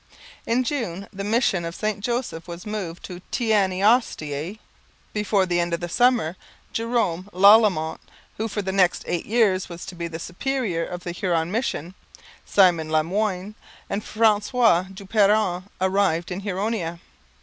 In June the mission of St Joseph was moved to Teanaostaiae. Before the end of the summer Jerome Lalemant, who for the next eight years was to be the superior of the Huron mission, Simon Le Moyne, and Francois du Peron arrived in Huronia.